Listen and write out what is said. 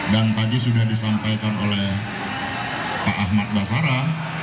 dan tadi sudah disampaikan oleh pak ahmad basara